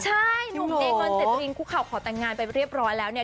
ใช่หนุ่มเอเงินเจตรินคุกเข่าขอแต่งงานไปเรียบร้อยแล้วเนี่ย